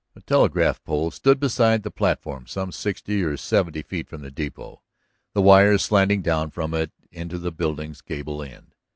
A telegraph pole stood beside the platform some sixty or seventy feet from the depot, the wires slanting down from it into the building's gable end.